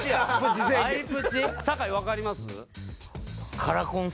坂井わかります？